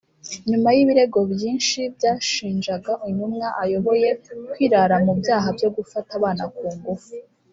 nyuma y’ibirego byinshi byashinjaga intumwa ayoboye kwirara mu byaha byo gufata abana ku ngufu